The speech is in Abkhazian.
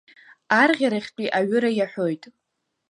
Арӷьарахьтәи аҩыра иаҳәоит…